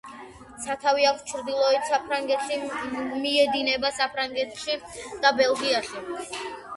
სათავე აქვს ჩრდილოეთ საფრანგეთში, მიედინება საფრანგეთში და ბელგიაში.